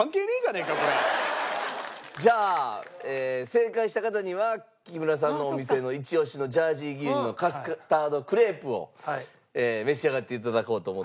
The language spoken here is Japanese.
じゃあ正解した方には木村さんのお店のイチオシのジャージー牛乳のカスタードクレープを召し上がって頂こうと思っております。